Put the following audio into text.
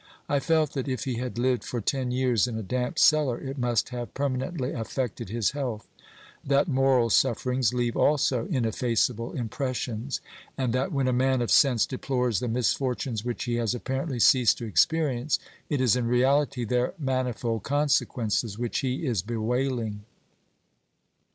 I felt that if he had lived for ten years in a damp cellar it must have permanently affected his health ; that moral sufferings leave also ineffaceable impressions; and that when a man of sense deplores the misfortunes which he has apparently ceased to experience, it is in reality their manifold consequences which he is bewailing.